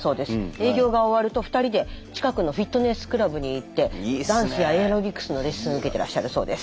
営業が終わると２人で近くのフィットネスクラブに行ってダンスやエアロビクスのレッスンを受けてらっしゃるそうです。